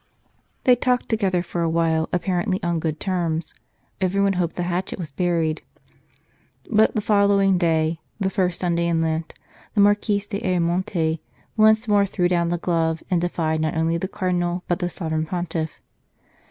They talked together for awhile, apparently on good terms ; everyone hoped the hatchet was buried. But the following day the first Sunday in Lent the Marquis d Ayamonte once more threw down the glove, and defied not only the Cardinal, but the Sovereign Pontiff.